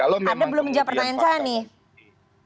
ada belum jawab pertanyaan saya nih